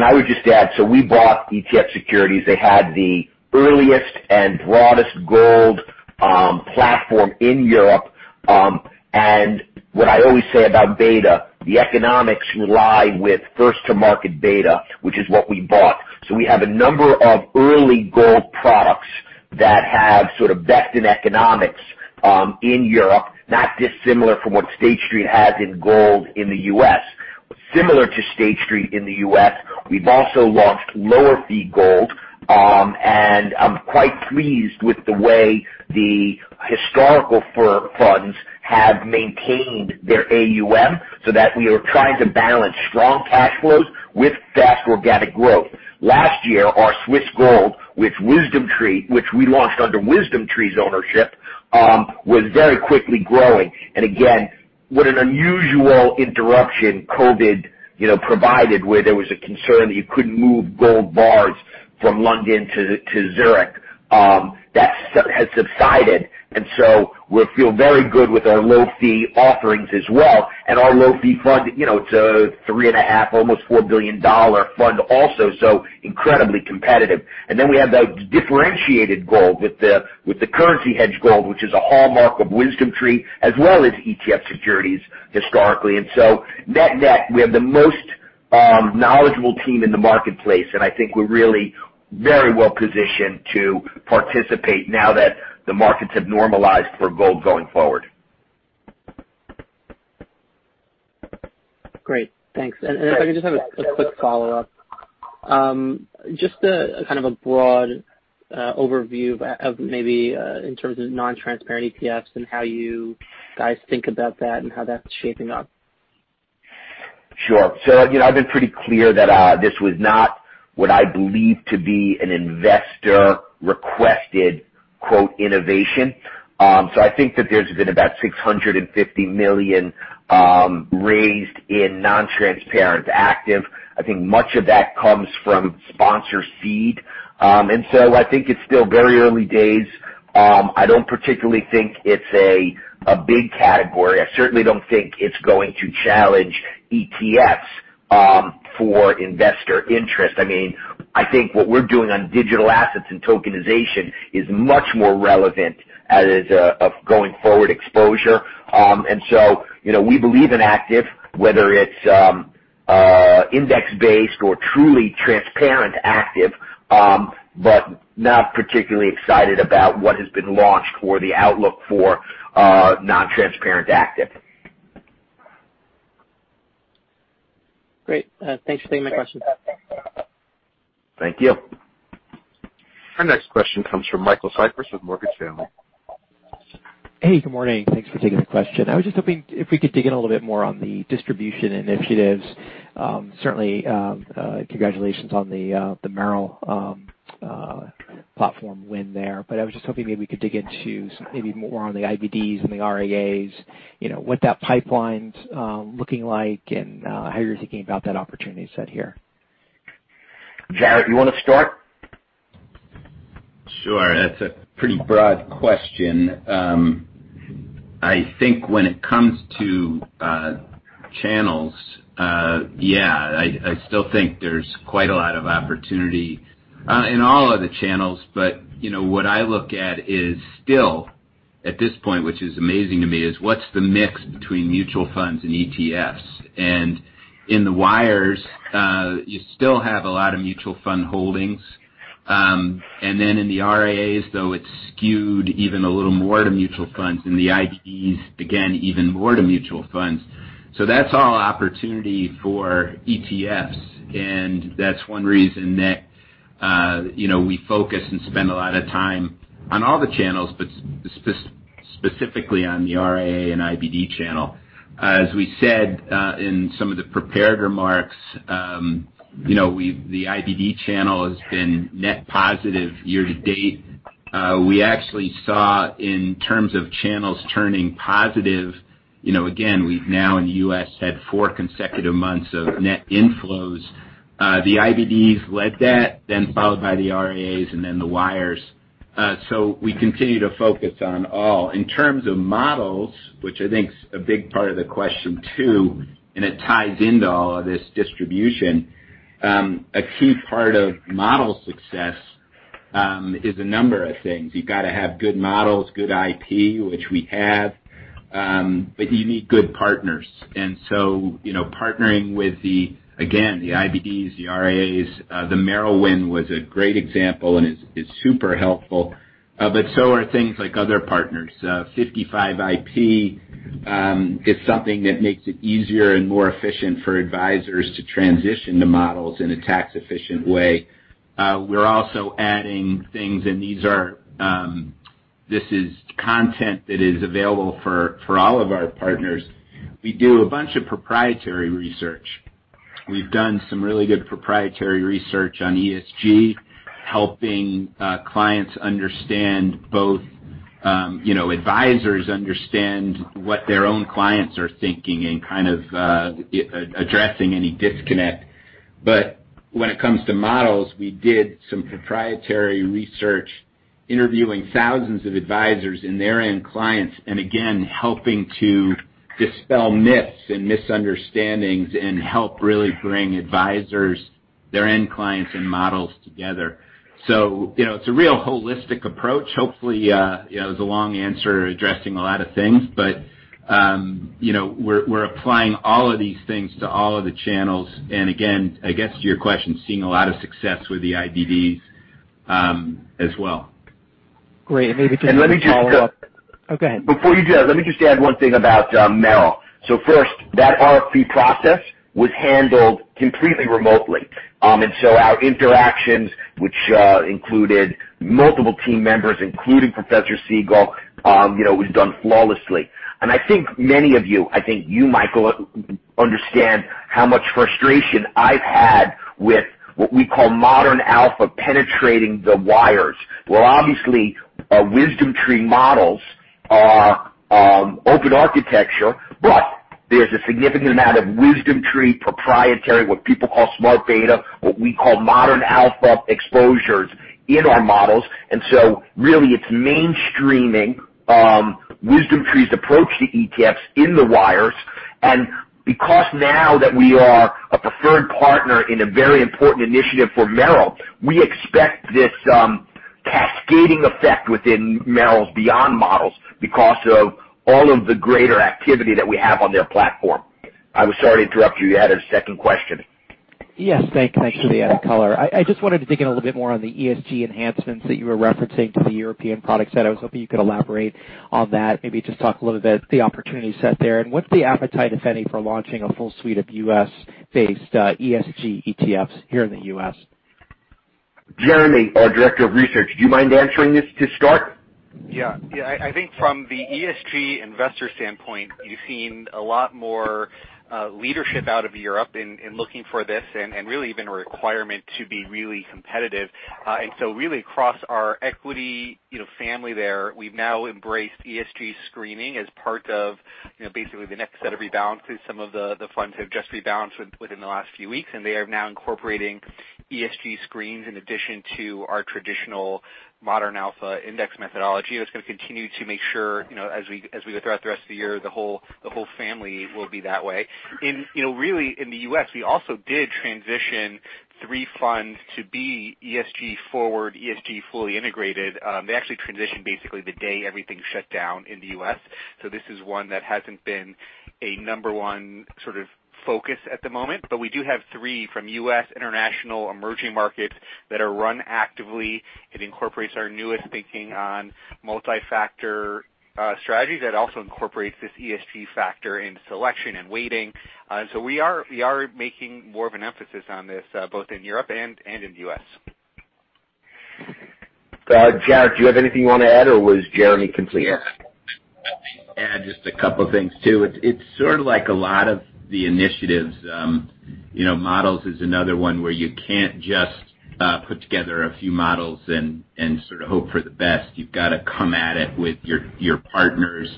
I would just add, we bought ETF Securities. They had the earliest and broadest gold platform in Europe. What I always say about beta, the economics lie with first-to-market beta, which is what we bought. We have a number of early gold products that have sort of vested in economics, in Europe, not dissimilar from what State Street has in gold in the U.S. Similar to State Street in the U.S., we've also launched lower-fee gold. I'm quite pleased with the way the historical funds have maintained their AUM, so that we are trying to balance strong cash flows with fast organic growth. Last year, our Swiss gold, which we launched under WisdomTree's ownership, was very quickly growing. Again, what an unusual interruption COVID provided, where there was a concern that you couldn't move gold bars from London to Zurich. That has subsided, we feel very good with our low-fee offerings as well, our low-fee fund, it's a $3.5 billion, almost $4 billion fund also, incredibly competitive. We have the differentiated gold with the currency hedge gold, which is a hallmark of WisdomTree, as well as ETF Securities historically. Net-net, we have the most knowledgeable team in the marketplace, I think we're really very well-positioned to participate now that the markets have normalized for gold going forward. Great. Thanks. If I could just have a quick follow-up. Just a kind of a broad overview of maybe in terms of non-transparent ETFs and how you guys think about that and how that's shaping up. Sure. I've been pretty clear that this was not what I believe to be an investor-requested, quote, "innovation." I think that there's been about $650 million raised in non-transparent active. I think much of that comes from sponsor seed. I think it's still very early days. I don't particularly think it's a big category. I certainly don't think it's going to challenge ETFs for investor interest. I think what we're doing on digital assets and tokenization is much more relevant as a going-forward exposure. We believe in active, whether it's index-based or truly transparent active, but not particularly excited about what has been launched for the outlook for non-transparent active. Great. Thanks for taking my question. Thank you. Our next question comes from Michael Cyprys with Morgan Stanley. Hey, good morning. Thanks for taking the question. I was just hoping if we could dig in a little bit more on the distribution initiatives. Certainly, congratulations on the Merrill platform win there. I was just hoping maybe we could dig into maybe more on the IBDs and the RIAs, what that pipeline's looking like, and how you're thinking about that opportunity set here. Jarrett, you want to start? Sure. That's a pretty broad question. I think when it comes to channels, yeah, I still think there's quite a lot of opportunity in all of the channels. What I look at is still, at this point, which is amazing to me, is what's the mix between mutual funds and ETFs. In the wires, you still have a lot of mutual fund holdings. In the RIAs, though, it's skewed even a little more to mutual funds, and the IBDs, again, even more to mutual funds. That's all opportunity for ETFs, and that's one reason that we focus and spend a lot of time on all the channels, but specifically on the RIA and IBD channel. As we said in some of the prepared remarks, the IBD channel has been net positive year-to-date. We actually saw in terms of channels turning positive, again, we've now in the U.S. had four consecutive months of net inflows. The IBDs led that, then followed by the RIAs and then the wires. We continue to focus on all. In terms of models, which I think is a big part of the question too, and it ties into all of this distribution, a key part of model success is a number of things. You've got to have good models, good IP, which we have, but you need good partners. Partnering with the, again, the IBDs, the RIAs, the Merrill win was a great example and is super helpful. So are things like other partners. 55ip is something that makes it easier and more efficient for advisors to transition to models in a tax-efficient way. We're also adding things, and this is content that is available for all of our partners. We do a bunch of proprietary research. We've done some really good proprietary research on ESG, helping clients understand, both advisors understand what their own clients are thinking and kind of addressing any disconnect. When it comes to models, we did some proprietary research interviewing thousands of advisors and their end clients, and again, helping to dispel myths and misunderstandings, and help really bring advisors, their end clients, and models together. It's a real holistic approach. Hopefully, it was a long answer addressing a lot of things. We're applying all of these things to all of the channels, and again, I guess to your question, seeing a lot of success with the IBDs as well. Great. Maybe just to follow up. And let me just- Oh, go ahead. Before you do that, let me just add one thing about Merrill. Our interactions, which included multiple team members, including Professor Siegel, was done flawlessly. I think many of you, I think you, Michael, understand how much frustration I've had with what we call Modern Alpha penetrating the wires. Obviously, WisdomTree models are open architecture, but there's a significant amount of WisdomTree proprietary, what people call smart beta, what we call Modern Alpha exposures in our models. Really it's mainstreaming WisdomTree's approach to ETFs in the wires. Because now that we are a preferred partner in a very important initiative for Merrill, we expect this cascading effect within Merrill's beyond models because of all of the greater activity that we have on their platform. I was sorry to interrupt you. You had a second question. Yes. Thanks for the added color. I just wanted to dig in a little bit more on the ESG enhancements that you were referencing to the European product set. I was hoping you could elaborate on that, maybe just talk a little bit the opportunity set there, and what's the appetite, if any, for launching a full suite of U.S.-based ESG ETFs here in the U.S.? Jeremy, our Director of Research, do you mind answering this to start? Yeah. I think from the ESG investor standpoint, you've seen a lot more leadership out of Europe in looking for this, and really even a requirement to be really competitive. Really across our equity family there, we've now embraced ESG screening as part of basically the next set of rebalances. Some of the funds have just rebalanced within the last few weeks. They are now incorporating ESG screens in addition to our traditional Modern Alpha index methodology. That's going to continue to make sure, as we go throughout the rest of the year, the whole family will be that way. Really, in the U.S., we also did transition three funds to be ESG forward, ESG fully integrated. They actually transitioned basically the day everything shut down in the U.S. This is one that hasn't been a number one sort of focus at the moment. We do have three from U.S. international emerging markets that are run actively. It incorporates our newest thinking on multi-factor strategies. That also incorporates this ESG factor in selection and weighting. We are making more of an emphasis on this, both in Europe and in the U.S.. Jarrett, do you have anything you want to add, or was Jeremy complete? Just a couple of things, too. It's sort of like a lot of the initiatives. Models is another one where you can't just put together a few models and sort of hope for the best. You've got to come at it with your partners,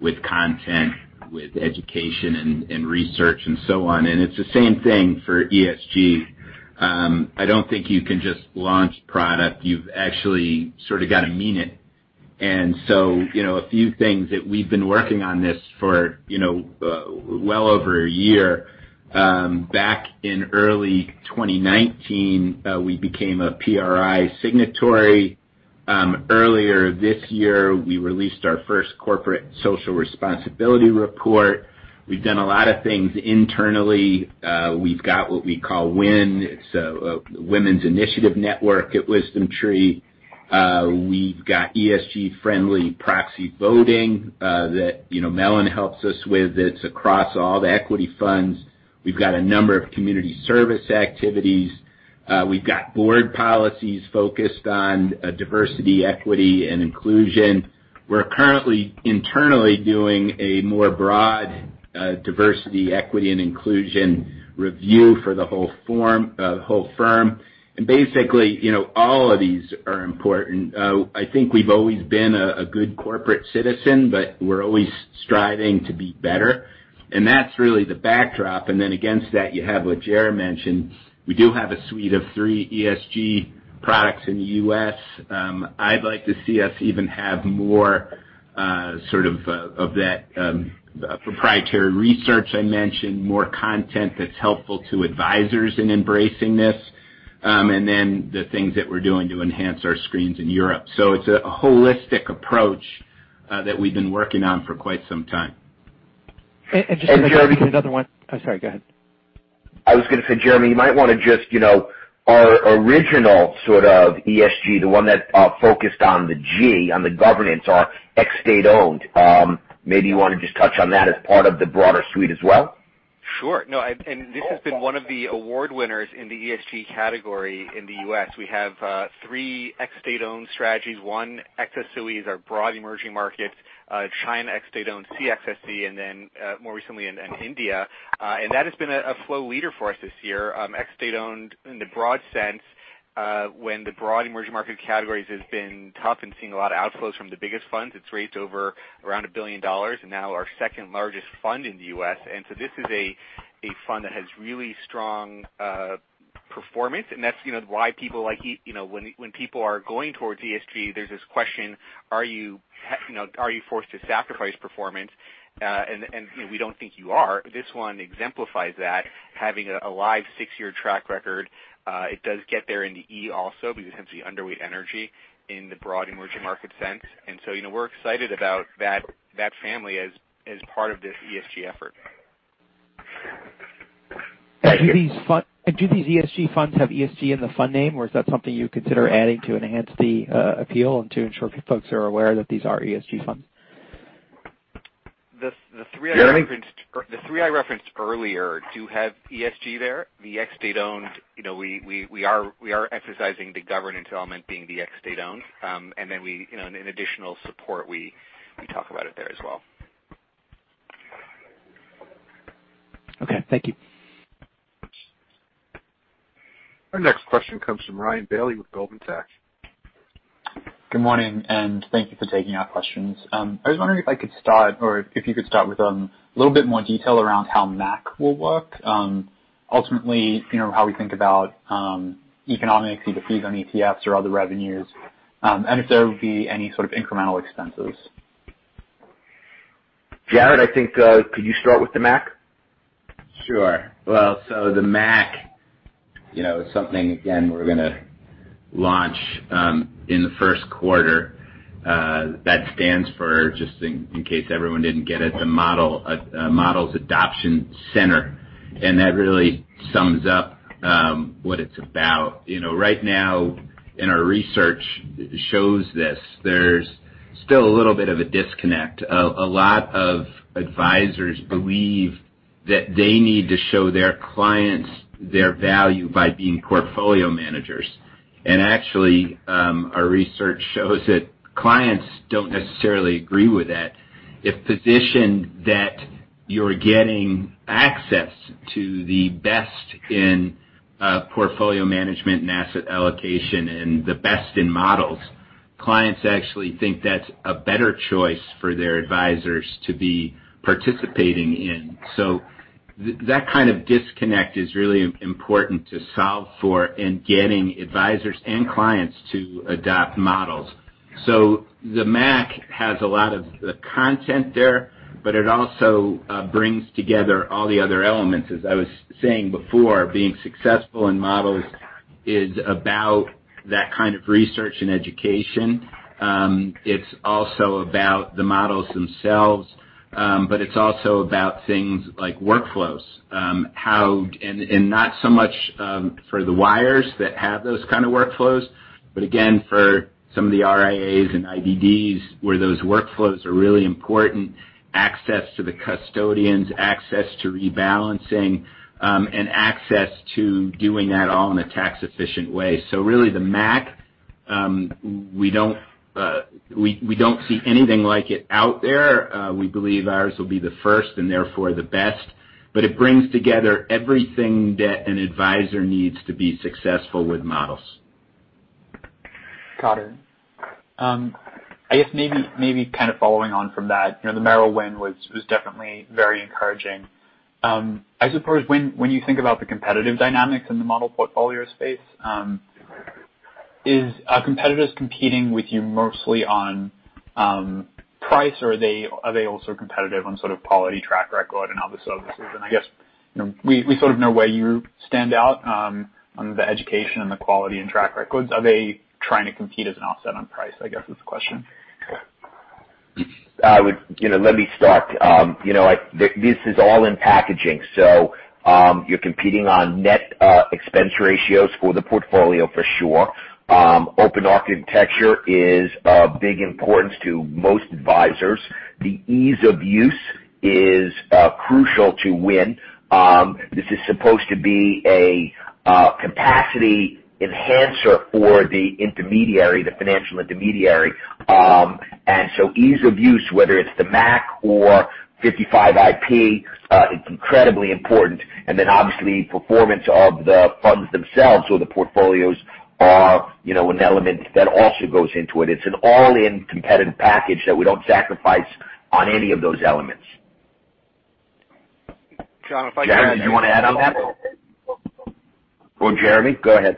with content, with education, and research, and so on. It's the same thing for ESG. I don't think you can just launch product. You've actually sort of got to mean it. So, a few things that we've been working on this for well over a year. Back in early 2019, we became a PRI signatory. Earlier this year, we released our first corporate social responsibility report. We've done a lot of things internally. We've got what we call WIN. It's Women's Initiative Network at WisdomTree. We've got ESG-friendly proxy voting that Mellon helps us with, that's across all the equity funds. We've got a number of community service activities. We've got board policies focused on diversity, equity, and inclusion. We're currently internally doing a more broad diversity, equity, and inclusion review for the whole firm. Basically, all of these are important. I think we've always been a good corporate citizen, but we're always striving to be better, and that's really the backdrop. Then against that, you have what Jeremy mentioned. We do have a suite of three ESG products in the U.S.. I'd like to see us even have more sort of that proprietary research I mentioned, more content that's helpful to advisors in embracing this, and then the things that we're doing to enhance our screens in Europe. It's a holistic approach that we've been working on for quite some time. Just another one. Oh, sorry, go ahead. I was going to say, Jeremy, you might want to just, our original sort of ESG, the one that focused on the G, on the governance, our ex-State-Owned. Maybe you want to just touch on that as part of the broader suite as well. Sure. No, this has been one of the award winners in the ESG category in the U.S. We have three ex-State-Owned strategies. One, XSOE is our broad emerging market, China ex-State-Owned, CXSE, more recently in India. That has been a flow leader for us this year. Ex-State-Owned in the broad sense, when the broad emerging market categories has been tough and seeing a lot of outflows from the biggest funds. It's raised over around $1 billion, now our second largest fund in the U.S. This is a fund that has really strong performance, that's why when people are going towards ESG, there's this question, are you forced to sacrifice performance? We don't think you are. This one exemplifies that, having a live six-year track record. It does get there in the E also because it tends to be underweight energy in the broad emerging market sense. We're excited about that family as part of this ESG effort. Do these ESG funds have ESG in the fund name, or is that something you consider adding to enhance the appeal and to ensure folks are aware that these are ESG funds? The three I referenced earlier do have ESG there. The ex-State-Owned, we are emphasizing the governance element being the ex-State-Owned. Then in additional support, we talk about it there as well. Okay. Thank you. Our next question comes from Ryan Bailey with Goldman Sachs. Good morning, thank you for taking our questions. I was wondering if I could start, or if you could start with a little bit more detail around how MAC will work. Ultimately, how we think about economics, either fees on ETFs or other revenues, and if there would be any sort of incremental expenses. Jarrett, I think could you start with the MAC? Sure. The MAC is something, again, we're going to launch in the first quarter. That stands for, just in case everyone didn't get it, the Models Adoption Center. That really sums up what it's about. Right now, and our research shows this, there's still a little bit of a disconnect. A lot of advisors believe that they need to show their clients their value by being portfolio managers. Actually, our research shows that clients don't necessarily agree with that. If positioned that you're getting access to the best in portfolio management and asset allocation, and the best in models, clients actually think that's a better choice for their advisors to be participating in. That kind of disconnect is really important to solve for in getting advisors and clients to adopt models. The MAC has a lot of the content there, but it also brings together all the other elements. As I was saying before, being successful in models is about that kind of research and education. It's also about the models themselves. It's also about things like workflows. Not so much for the wires that have those kind of workflows, but again, for some of the RIAs and IBDs where those workflows are really important, access to the custodians, access to rebalancing, and access to doing that all in a tax-efficient way. Really, the MAC, we don't see anything like it out there. We believe ours will be the first and therefore the best. It brings together everything that an advisor needs to be successful with models. Got it. I guess maybe kind of following on from that, the Merrill win was definitely very encouraging. I suppose when you think about the competitive dynamics in the model portfolio space, are competitors competing with you mostly on price, or are they also competitive on quality, track record, and all the services? I guess, we sort of know where you stand out on the education and the quality and track records. Are they trying to compete as an offset on price, I guess is the question? Let me start. This is all in packaging. You're competing on net expense ratios for the portfolio for sure. Open architecture is of big importance to most advisors. The ease of use is crucial to win. This is supposed to be a capacity enhancer for the intermediary, the financial intermediary. Ease of use, whether it's the MAC or 55ip, it's incredibly important. Obviously, performance of the funds themselves or the portfolios are an element that also goes into it. It's an all-in competitive package that we don't sacrifice on any of those elements. Jono, if I could add- Jarrett, do you want to add on that? Or Jeremy, go ahead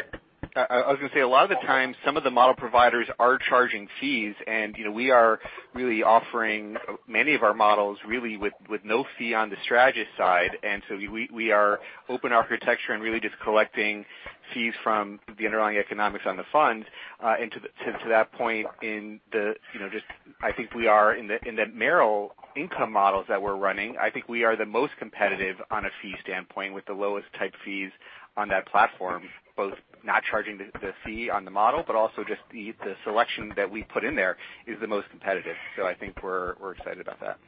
I was going to say, a lot of the time, some of the model providers are charging fees, and we are really offering many of our models really with no fee on the strategist side. We are open architecture and really just collecting fees from the underlying economics on the fund. To that point, I think we are in the Merrill income models that we're running. I think we are the most competitive on a fee standpoint with the lowest type fees on that platform, both not charging the fee on the model, but also just the selection that we put in there is the most competitive. I think we're excited about that.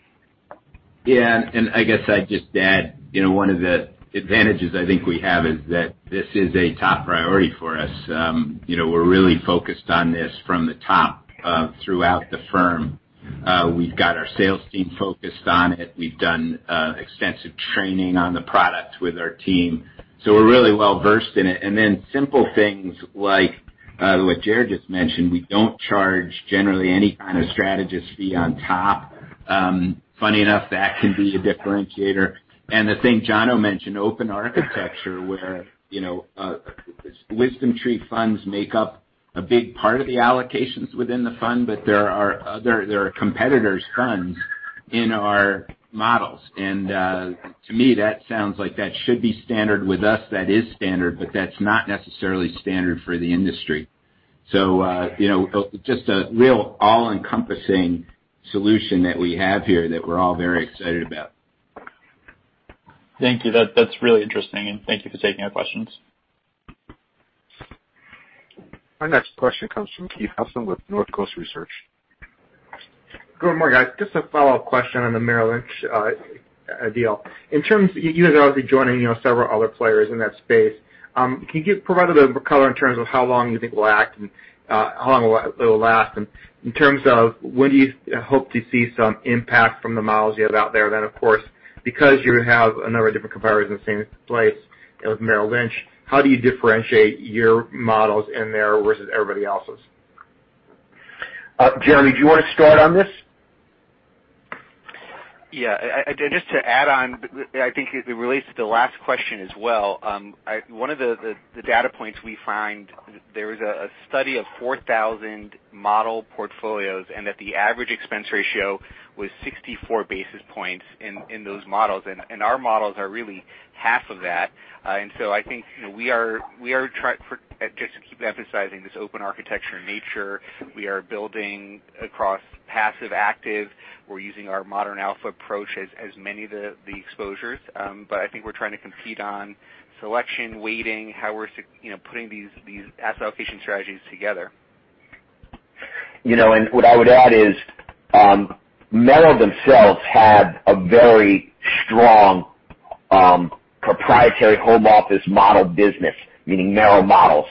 Yeah. I guess I'd just add, one of the advantages I think we have is that this is a top priority for us. We're really focused on this from the top throughout the firm. We've got our sales team focused on it. We've done extensive training on the product with our team, so we're really well-versed in it. Then simple things like what Jeremy just mentioned, we don't charge generally any kind of strategist fee on top. Funny enough, that can be a differentiator. The thing Jono mentioned, open architecture, where WisdomTree funds make up a big part of the allocations within the fund, but there are competitors' funds in our models. To me, that sounds like that should be standard. With us, that is standard, but that's not necessarily standard for the industry. Just a real all-encompassing solution that we have here that we're all very excited about. Thank you. That's really interesting, and thank you for taking our questions. Our next question comes from Keith Housum with Northcoast Research. Good morning, guys. Just a follow-up question on the Merrill Lynch deal. In terms of you guys obviously joining several other players in that space, can you provide a little bit color in terms of how long you think it will last? In terms of when do you hope to see some impact from the models you have out there then, of course, because you have a number of different competitors in the same place as Merrill Lynch, how do you differentiate your models in there versus everybody else's? Jeremy, do you want to start on this? Yeah. Just to add on, I think it relates to the last question as well. One of the data points we find, there was a study of 4,000 model portfolios, the average expense ratio was 64 basis points in those models. Our models are really half of that. I think just to keep emphasizing this open architecture nature, we are building across passive-active. We're using our Modern Alpha approach as many of the exposures. I think we're trying to compete on selection, weighting, how we're putting these asset allocation strategies together. What I would add is Merrill themselves have a very strong proprietary home office model business, meaning Merrill models.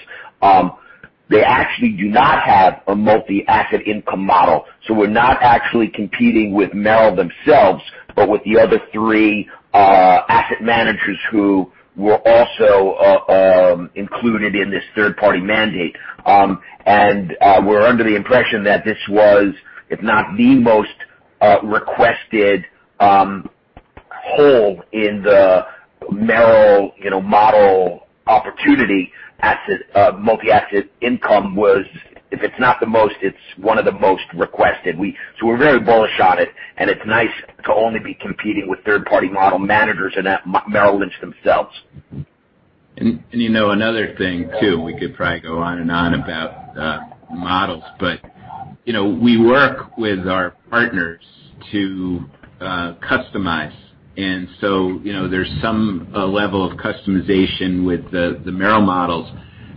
They actually do not have a multi-asset income model. We're not actually competing with Merrill themselves, but with the other three asset managers who were also included in this third-party mandate. We're under the impression that this was, if not the most requested hold in the Merrill model opportunity asset, multi-asset income was, if it's not the most, it's one of the most requested. We're very bullish on it, and it's nice to only be competing with third-party model managers than Merrill Lynch themselves. Another thing, too, we could probably go on and on about models, but we work with our partners to customize. There's some level of customization with the Merrill models.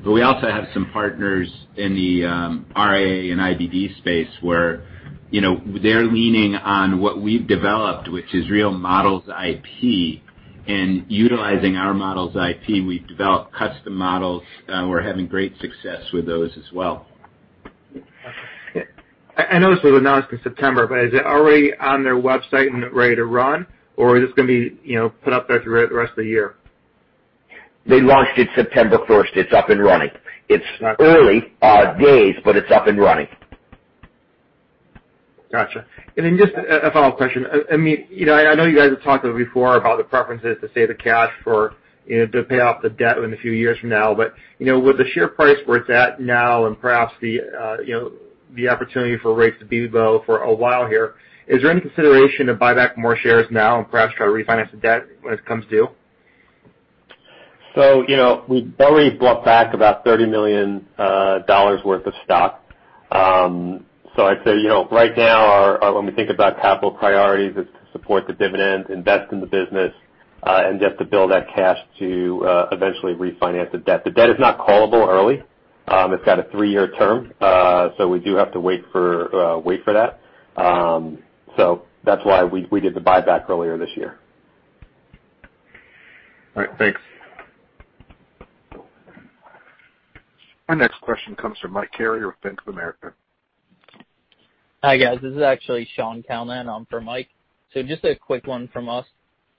We also have some partners in the RIA and IBD space where they're leaning on what we've developed, which is real models IP, and utilizing our models IP, we've developed custom models. We're having great success with those as well. I noticed it was announced in September, but is it already on their website and ready to run, or is this going to be put up there through the rest of the year? They launched it September first. It's up and running. It's early days, but it's up and running. Got you. Just a follow-up question. I know you guys have talked a little before about the preferences to save the cash to pay off the debt in a few years from now. With the share price where it's at now and perhaps the opportunity for rates to be low for a while here, is there any consideration to buy back more shares now and perhaps try to refinance the debt when it comes due? We've already bought back about $30 million worth of stock. I'd say, right now, when we think about capital priorities, it's to support the dividend, invest in the business, and just to build that cash to eventually refinance the debt. The debt is not callable early. It's got a three-year term, so we do have to wait for that. That's why we did the buyback earlier this year. All right. Thanks. Our next question comes from Mike Carrier with Bank of America. Hi, guys. This is actually Shaun Calnan on for Mike. Just a quick one from us.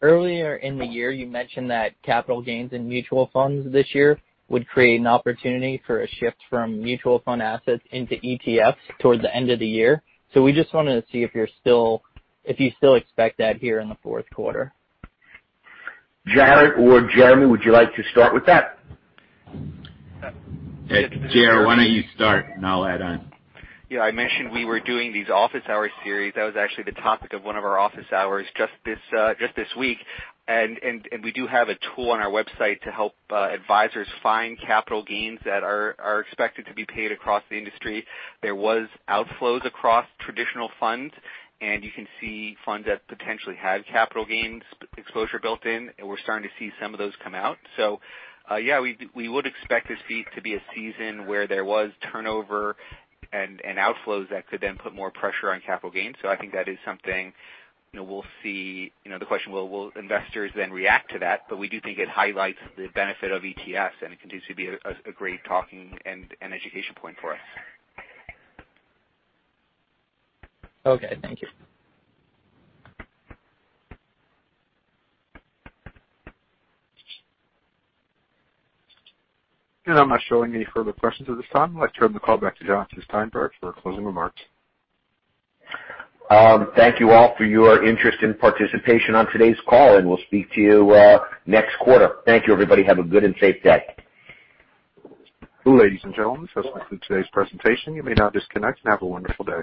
Earlier in the year, you mentioned that capital gains in mutual funds this year would create an opportunity for a shift from mutual fund assets into ETFs towards the end of the year. We just wanted to see if you still expect that here in the fourth quarter. Jarrett or Jeremy, would you like to start with that? Jeremy, why don't you start, and I'll add on. Yeah. I mentioned we were doing these office hour series. That was actually the topic of one of our office hours just this week, and we do have a tool on our website to help advisors find capital gains that are expected to be paid across the industry. There was outflows across traditional funds, and you can see funds that potentially had capital gains exposure built in, and we're starting to see some of those come out. Yeah, we would expect this fee to be a season where there was turnover and outflows that could then put more pressure on capital gains. I think that is something we'll see. The question, will investors then react to that? We do think it highlights the benefit of ETFs, and it continues to be a great talking and education point for us. Okay. Thank you. I'm not showing any further questions at this time. I'd like to turn the call back to Jono Steinberg for closing remarks. Thank you all for your interest and participation on today's call. We'll speak to you next quarter. Thank you, everybody. Have a good and safe day. Ladies and gentlemen, this has been today's presentation. You may now disconnect and have a wonderful day.